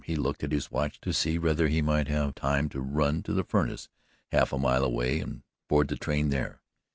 He looked at his watch to see whether he might have time to run up to the furnace, half a mile away, and board the train there.